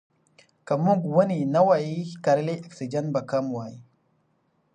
که موږ ونې نه وای کرلې اکسیجن به کم وای.